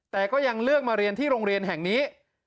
แต่ก็ยังเลือกมาเรียนที่โรงเรียนแห่งนี้